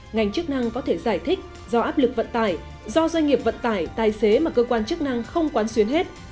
ngành chức năng có thể giải thích do áp lực vận tải do doanh nghiệp vận tải tài xế mà cơ quan chức năng không quán xuyến hết